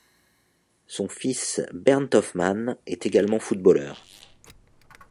Son fils Bernd Hofmann est également footballeur.